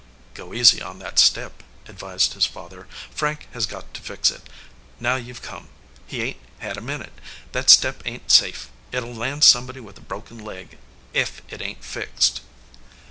"Go easy on that step," advised his father. "Frank has got to fix it, now you ve come. He ain t had a minute. That step ain t safe. It 11 land somebody with a broken leg ef it ain t fixed."